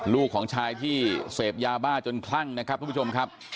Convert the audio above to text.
ลูกของชายที่เสพยาบ้าจนคลั่งนะครับ